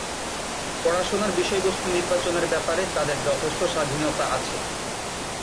পড়াশোনার বিষয়বস্তু নির্বাচনের ব্যাপারে তাদের যথেষ্ট স্বাধীনতা আছে।